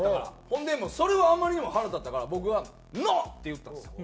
ほんでそれはあまりにも腹立ったから僕は「ノー！」って言ったんですよ。